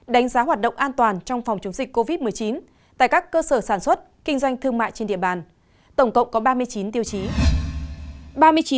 đánh giá hoạt động an toàn trong phòng chống dịch covid một mươi chín tại các cơ sở sản xuất kinh doanh thương mại trên địa bàn tổng cộng có ba mươi chín tiêu chí